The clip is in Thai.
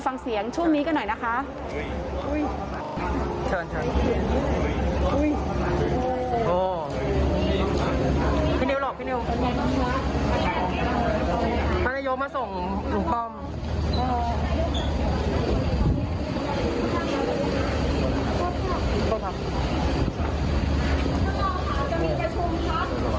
ตั้งเข้าใจในตัวท่านอายุทั้งหรือคะ